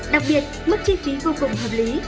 đặc biệt mức chi phí vô cùng hợp lý